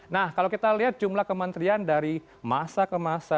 nah kalau kita lihat jumlah kementerian dari masa ke masa